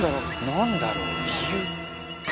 なんだろう？理由？